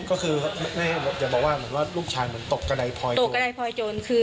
ก็คืออย่าบอกว่าลูกชายมันตกระดายพลอยโจร